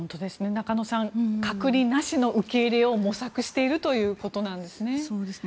中野さん隔離なしの受け入れを模索しているということなんですね。